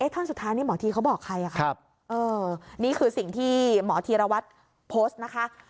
ท่อนสุดท้ายนี่หมอทีเขาบอกใครนี่คือสิ่งที่หมอธีรวัตรโพสต์นะคะ